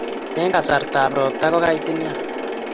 Eng' kasartap ropta ko kaitit nea.